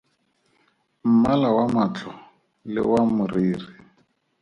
Mmala wa matlho le wa moriri.